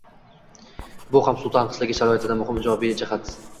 – bu ham suv tanqisligi sharoitida muhim ijobiy jihat.